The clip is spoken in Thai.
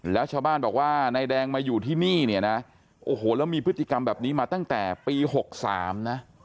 แล้วชาวบ้านบอกว่านายแดงมาอยู่ที่นี่เนี่ยนะโอ้โหแล้วมีพฤติกรรมแบบนี้มาตั้งแต่ปี๖๓นะ